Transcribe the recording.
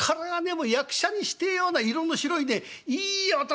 もう役者にしてえような色の白いねいい男でした。